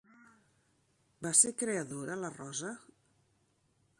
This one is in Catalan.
Va ser creadora, la Rosa?